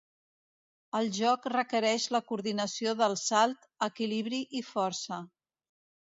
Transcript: El joc requereix la coordinació del salt, equilibri i força.